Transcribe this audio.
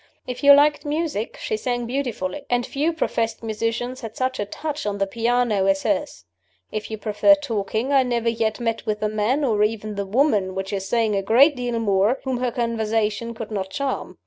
If you liked music, she sang beautifully; and few professed musicians had such a touch on the piano as hers. If you preferred talking, I never yet met with the man (or even the woman, which is saying a great deal more) whom her conversation could not charm.